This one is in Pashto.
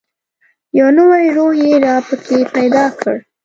یو نوی روح یې را پکښې پیدا کړ.